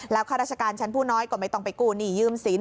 ข้าราชการชั้นผู้น้อยก็ไม่ต้องไปกู้หนี้ยืมสิน